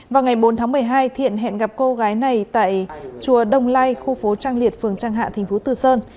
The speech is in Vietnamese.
vào ngày bốn tháng một mươi hai thiện hẹn gặp cô gái này tại chùa đồng lai khu phố trang liệt phường trang hạ tp từ sơn